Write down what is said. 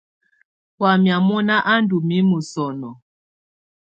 Wamɛ̀́á mɔ̀na á ndù mimǝ́ sɔnɔ̀.